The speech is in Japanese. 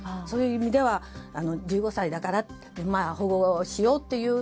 そういう意味では１５歳だから保護しようと。